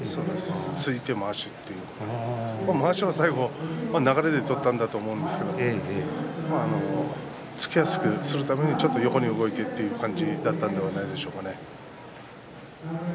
突いて、まわしまわしを最後、流れで取ったんだと思うんですけれども突きやすくするためにちょっと横に動いている感じだったんではないでしょうかね。